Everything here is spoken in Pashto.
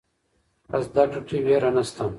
په زده کړه کې ویره نشته.